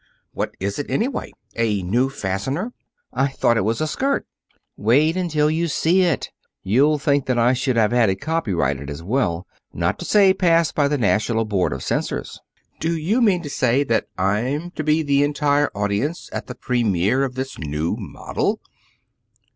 What is it, anyway? A new fastener? I thought it was a skirt." "Wait until you see it. You'll think I should have had it copyrighted as well, not to say passed by the national board of censors." "Do you mean to say that I'm to be the entire audience at the premiere of this new model?"